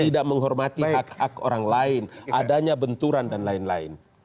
tidak menghormati hak hak orang lain adanya benturan dan lain lain